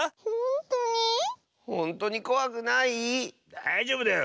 だいじょうぶだよ。